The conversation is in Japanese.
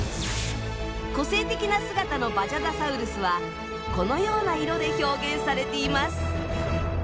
個性的な姿のバジャダサウルスはこのような色で表現されています。